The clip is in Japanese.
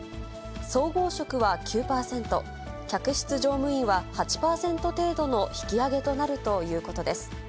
総合職は９％、客室乗務員は８％程度の引き上げとなるということです。